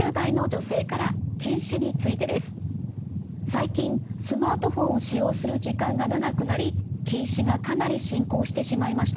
最近スマートフォンを使用する時間が長くなり近視がかなり進行してしまいました。